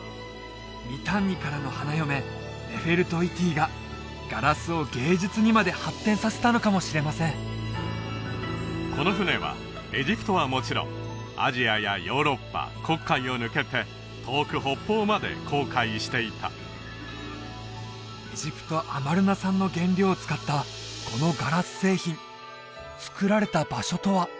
ミタンニからの花嫁ネフェルト・イティがガラスを芸術にまで発展させたのかもしれませんこの船はエジプトはもちろんアジアやヨーロッパ黒海を抜けて遠く北方まで航海していたエジプトアマルナ産の原料を使ったこのガラス製品作られた場所とは？